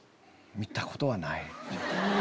見たことはない。